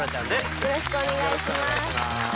よろしくお願いします。